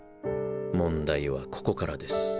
問題はここからです。